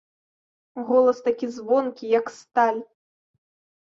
Голас такі звонкі, як сталь.